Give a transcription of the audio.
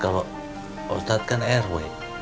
kalau ustadz kan rw